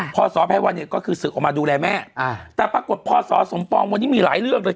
พอสอภัยวันเนี่ยก็คือศึกออกมาดูแลแม่แต่ปรากฏพอสอสมปองวันนี้มีหลายเรื่องเลย